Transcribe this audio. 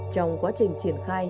trong quá trình triển khai